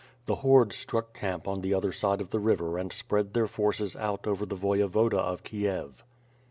The horde struck camp on the other side of the river and spread their forces out over the Voyevoda of Kiev.